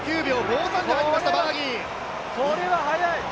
これは速い！